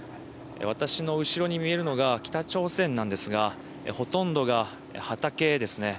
私の後ろに見えるのが北朝鮮なんですが、ほとんどが畑ですね。